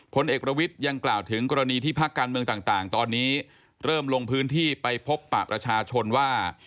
ผลเอกประวิทย์ยังกล่าวถึงกรณีที่พักการเมืองต่างตอนนี้เริ่มลงพื้นที่ไปพบปะประชาชนว่า